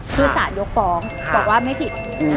คือสารยกฟ้องบอกว่าไม่ผิด